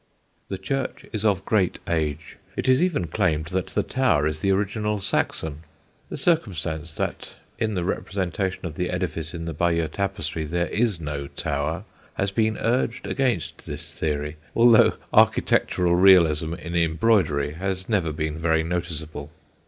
The church is of great age; it is even claimed that the tower is the original Saxon. The circumstance that in the representation of the edifice in the Bayeux tapestry there is no tower has been urged against this theory, although architectural realism in embroidery has never been very noticeable.